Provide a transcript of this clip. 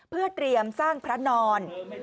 เพื่อเตรียมสร้างพระนอน